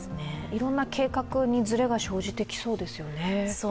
いろんな計画にずれが生じてきそうですよね。